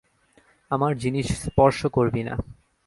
আমার জিনিস স্পর্শ করবি না।